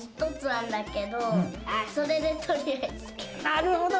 なるほど。